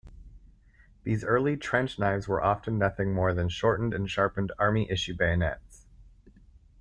These early "trench knives" were often nothing more than shortened and sharpened Army-issue bayonets.